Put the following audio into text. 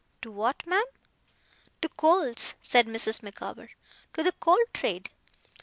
'To what, ma'am?' 'To coals,' said Mrs. Micawber. 'To the coal trade.